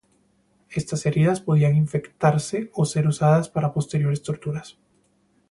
Estas heridas podían infectarse, o ser usadas para posteriores torturas.